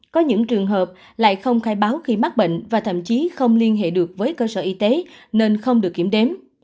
có những trường hợp lại không khai báo khi mắc bệnh và thậm chí không liên hệ được với cơ sở y tế nên không được kiểm đếm